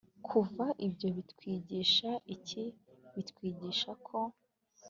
kuva ibyo bitwigisha iki bitwigisha ko